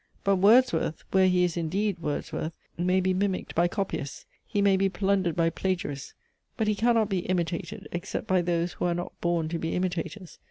But Wordsworth, where he is indeed Wordsworth, may be mimicked by copyists, he may be plundered by plagiarists; but he cannot be imitated, except by those who are not born to be imitators.